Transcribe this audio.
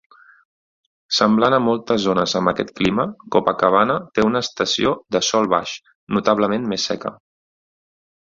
Semblant a moltes zones amb aquest clima, Copacabana té una estació de "sol baix" notablement més seca.